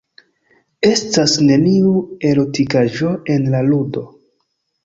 Estas neniu erotikaĵo en la ludo.